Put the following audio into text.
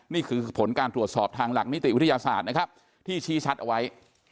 นี่คือผลการตรวจสอบทางหลักนิติวิทยาศาสตร์นะครับที่ชี้ชัดเอาไว้